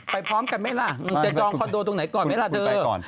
พร้อมกันไหมล่ะจะจองคอนโดตรงไหนก่อนไหมล่ะเธอ